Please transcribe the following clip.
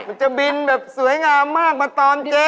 จะบินแบบสวยงามมากมาตอนเจอ